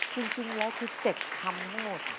จริงแล้วคือ๗คำทั้งหมด